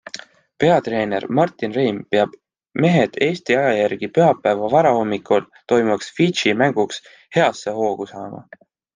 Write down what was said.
Peatreener Martin Reim peab mehed Eesti aja järgi pühapäeva varahommikul toimuvaks Fidži mänguks heasse hoogu saama.